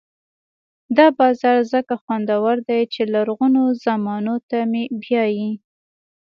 دا بازار ځکه خوندور دی چې لرغونو زمانو ته مې بیايي.